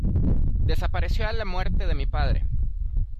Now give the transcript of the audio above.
desapareció a la muerte de mi padre.